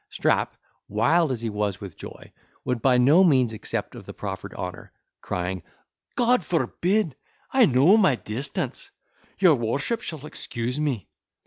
Strap, wild as he was with joy, would by no means accept of the proffered honour, crying, "God forbid! I know my distance—your worship shall excuse me."